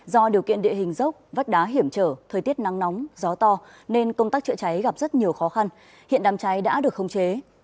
do điều kiện địa hình dốc vách đá hiểm trở thời tiết nắng nóng gió to nên công tác chữa cháy gặp rất nhiều khó khăn hiện đàm cháy đã được khống chế